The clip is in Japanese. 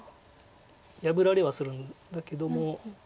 破られはするんだけども。